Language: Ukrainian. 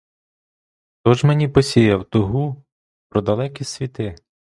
Хто ж мені посіяв тугу про далекі світи?